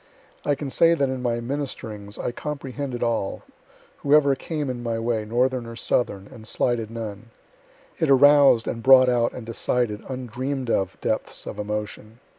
I can say that in my ministerings I comprehended all, whoever came in my way, northern or southern, and slighted none. It arous'd and brought out and decided undream'd of depths of emotion.